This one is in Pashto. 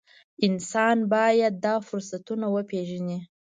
انسان باید دا فرصتونه وپېژني.